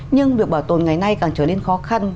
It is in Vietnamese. nhưng việc bảo tồn ngày nay càng trở nên khó khăn